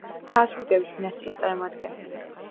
ჰაბსბურგების დინასტიის წარმომადგენელი.